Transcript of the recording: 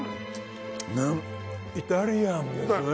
イタリアンですね！